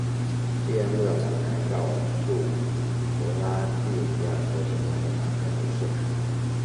第二幕的男孩告诉弗拉第米尔昨天来的男孩不是他。